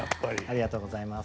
ありがとうございます。